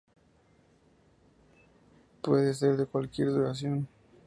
Puede ser de cualquier duración.